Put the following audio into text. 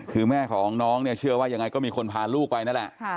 คือแม่ของน้องเนี่ยเชื่อว่ายังไงก็มีคนพาลูกไปนั่นแหละ